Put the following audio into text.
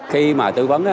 khi mà tư vấn